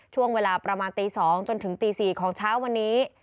ช่วงเวลาประมาณตี๒จนถึงตี๔ของเช้าวันนี้